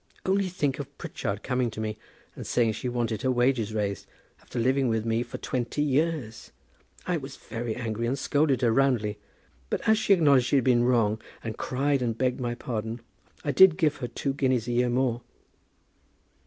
Only think of Pritchard coming to me, and saying she wanted her wages raised, after living with me for twenty years! I was very angry, and scolded her roundly; but as she acknowledged she had been wrong, and cried and begged my pardon, I did give her two guineas a year more.